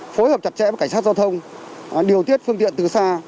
phối hợp chặt chẽ với cảnh sát giao thông điều tiết phương tiện từ xa